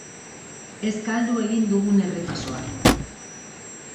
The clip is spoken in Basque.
Ez galdu egin dugun errepasoa.